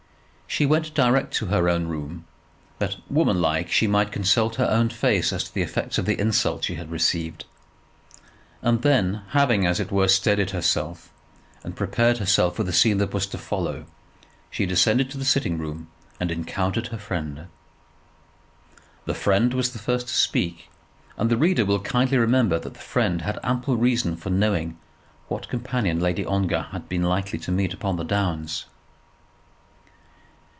She went direct to her own room, that, woman like, she might consult her own face as to the effects of the insult she had received, and then having, as it were, steadied herself, and prepared herself for the scene that was to follow, she descended to the sitting room and encountered her friend. The friend was the first to speak; and the reader will kindly remember that the friend had ample reason for knowing what companion Lady Ongar had been likely to meet upon the downs.